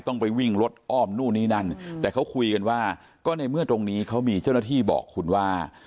ต้องไปวิ่งรถอ้อมนู่นนี่นั่นแต่เขาคุยกันว่าก็ในเมื่อตรงนี้เขามีเจ้าหน้าที่บอกคุณว่า